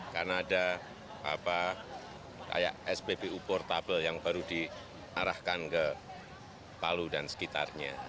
karena ada spbu portable yang baru diarahkan ke palu dan sekitarnya